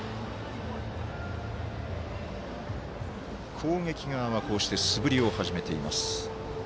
攻撃側がこうして素振りを始めています。